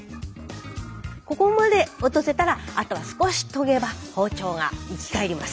ここまで落とせたらあとは少し研げば包丁が生き返ります。